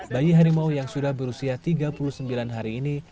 bayi harimau yang sudah berusia tiga puluh sembilan hari ini